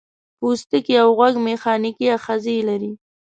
پوستکی او غوږ میخانیکي آخذې لري.